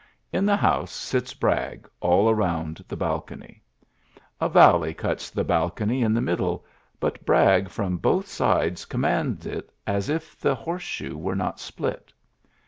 In the house sits Bra all around the balcony. A valley ci the balcony in the middle, but Bra from both sides commands it as if t horseshoe were not split.